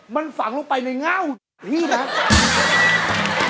มันฝังลงไปในเง่าพี่นะ